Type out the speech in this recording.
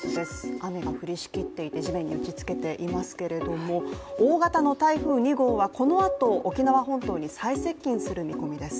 雨が降りしきっていて、地面に打ちつけていますけれども大型の台風２号はこのあと沖縄本島に最接近する見込みです。